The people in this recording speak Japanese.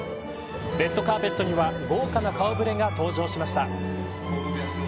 レッドカーペットには豪華な顔触れが登場しました。